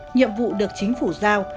nhiệm vụ được chính phủ giao